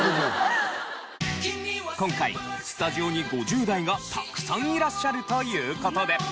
今回スタジオに５０代がたくさんいらっしゃるという事で。